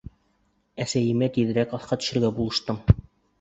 Әсәйемә тиҙерәк аҫҡа төшөргә булыштым.